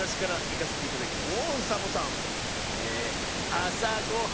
「あさごはん